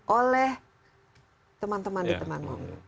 oleh teman teman di teman